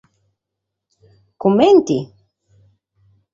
Comente?